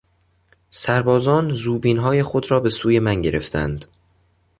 سربازان زوبینهای خود را به سوی من گرفتند.